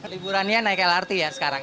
liburannya naik lrt ya sekarang